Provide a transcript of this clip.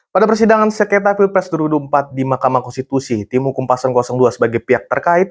pada persidangan sekretari presidium dua ribu dua puluh empat di makamah konstitusi tim hukum pasang dua sebagai pihak terkait